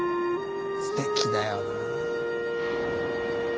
すてきだよなぁ。